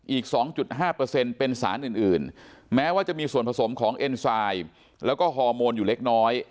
อีก๒๕เป็นสารอื่นแม้ว่าจะมีส่วนผสมของเอ็นไซด์แล้วก็ฮอร์โมนอยู่เล็กน้อย